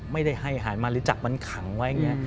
ไม่ได้ให้หายมาหรือจับมันขังไว้